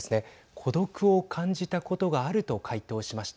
孤独を感じたことがあると回答しました。